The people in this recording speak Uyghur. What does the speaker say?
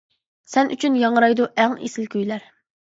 سەن ئۈچۈن ياڭرايدۇ ئەڭ ئېسىل كۈيلەر.